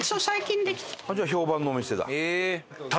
じゃあ評判のお店だ。